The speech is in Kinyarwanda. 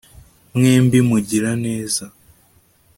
Mwembi mugira neza